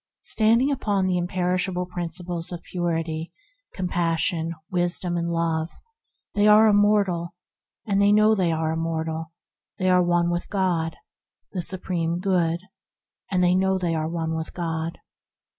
Standing upon the imperishable Prin ciples of Purity, Compassion, Wisdom, and Love, they are immortal and know they are immortal; they are one with God, the Supreme Good, and know they are one with God.